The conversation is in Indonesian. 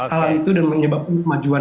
hal itu dan menyebabkan kemajuan